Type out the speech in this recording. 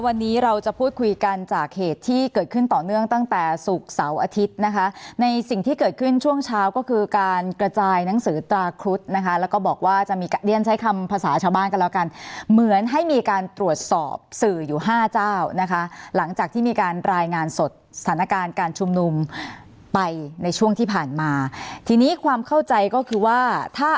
วันนี้เราจะพูดคุยกันจากเหตุที่เกิดขึ้นต่อเนื่องตั้งแต่ศุกร์เสาร์อาทิตย์นะคะในสิ่งที่เกิดขึ้นช่วงเช้าก็คือการกระจายหนังสือตราครุฑนะคะแล้วก็บอกว่าจะมีเรียนใช้คำภาษาชาวบ้านกันแล้วกันเหมือนให้มีการตรวจสอบสื่ออยู่ห้าเจ้านะคะหลังจากที่มีการรายงานสดสถานการณ์การชุมนุมไปในช่วงที่ผ่านมาทีนี้ความเข้าใจก็คือว่าถ้า